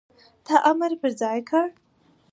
تا امر پر ځای کړ،